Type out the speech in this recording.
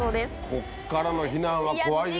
ここからの避難は怖いよ。